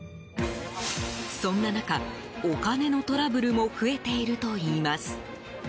そんな中、お金のトラブルも増えているといいます。